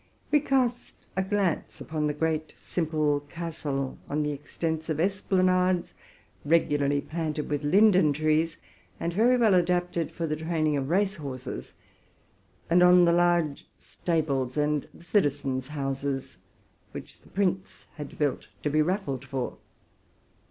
We cast a glance at the great, simple castle, on the extensive esplanades, regularly planted with linden trees, and very well adapted for the training of race horses ; and on the large stables, and the citizens' houses which the prince had built to be raffled for.